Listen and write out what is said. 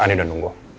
ani udah nunggu